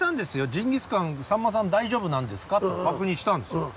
「ジンギスカンさんまさん大丈夫なんですか？」って確認したんですよ。